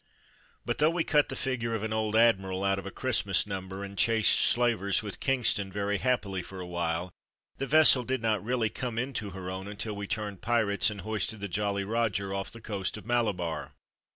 But though we cut the figure of an old admiral out of a Christmas number, and chased slavers with Kingston very happily for a while, the vessel did not really come into her own until we turned pirates and hoisted the " Jolly Roger " off the coast of Malabar.